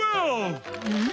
うん？